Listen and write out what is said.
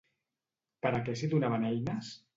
Per a què s'hi donaven eines?